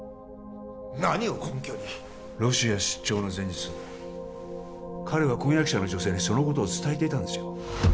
何を根拠にロシア出張の前日彼は婚約者の女性にそのことを伝えていたんですよ